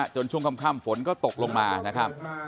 ช่วงค่ำฝนก็ตกลงมานะครับ